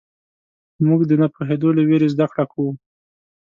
موږ د نه پوهېدو له وېرې زدهکړه کوو.